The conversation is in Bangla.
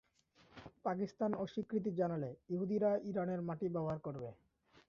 পাকিস্তান অস্বীকৃতি জানালে ইহুদীরা ইরানের মাটি ব্যবহার করে।